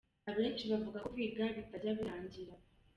Abenshi bavuga ko kwiga bitajya birangira.